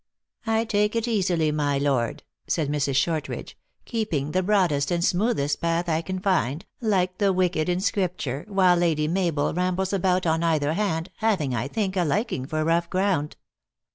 " I take it easily, my Lord," said Mrs. Shortridge, "keeping the broadest and smoothest path I can find, like the wicked in Scripture, while Lady Mabel ram bks about on either hand, having, I think, a liking for rough ground.